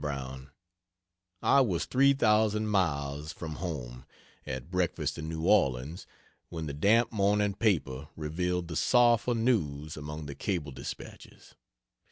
BROWN, I was three thousand miles from home, at breakfast in New Orleans, when the damp morning paper revealed the sorrowful news among the cable dispatches.